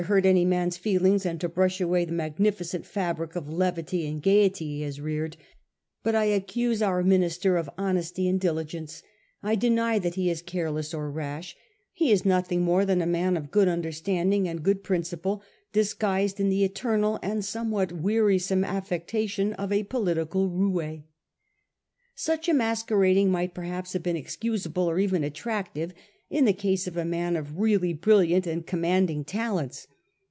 hurt any man's feelings, and to brush away the mag nificent fabric of levity and gaiety he has reared ; but I accuse our minister of honesty and diligence ; I deny that he is careless or rash: he is nothing more than a man of good understanding and good prin ciple disguised in the eternal and somewhat wearisome affectation of a political roue' Such a masquerading ♦ might perhaps have been excusable, or even attractive, in the case of a man of really brilliant and commanding talents.